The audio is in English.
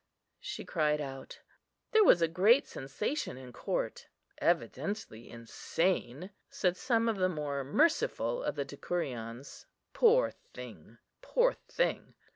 she cried out. There was a great sensation in court. "Evidently insane," said some of the more merciful of the Decurions; "poor thing, poor thing!"